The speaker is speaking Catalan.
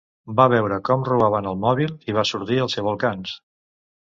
Va veure com robaven el mòbil i va sortir al seu encalç